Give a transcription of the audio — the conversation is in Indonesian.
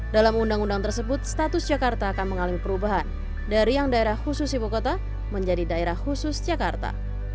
dalam undang undang tersebut status jakarta akan mengalami perubahan dari yang daerah khusus ibu kota menjadi daerah khusus jakarta